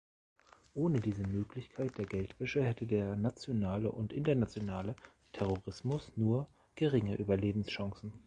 Ohne diese Möglichkeit der Geldwäsche hätte der nationale und internationale Terrorismus nur geringe Überlebenschancen.